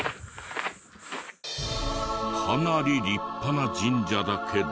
かなり立派な神社だけど。